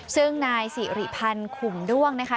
ซึ่งนายศรีภัณฑ์ขุมด้วงนะคะ